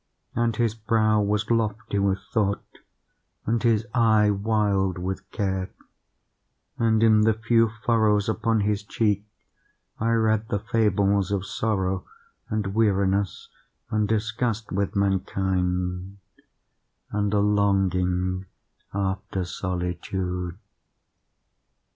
And his brow was lofty with thought, and his eye wild with care; and, in the few furrows upon his cheek I read the fables of sorrow, and weariness, and disgust with mankind, and a longing after solitude.